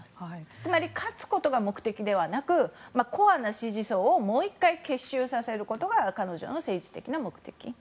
つまり勝つことが目的ではなくコアな支持層をもう１回結集させるのが彼女の政治的な目的。